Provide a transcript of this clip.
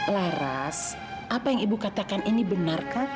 laras apa yang ibu katakan ini benarkah